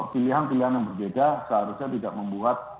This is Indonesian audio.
pilihan pilihan yang berbeda seharusnya tidak membuat